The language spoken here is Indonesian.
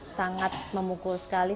sangat memukul sekali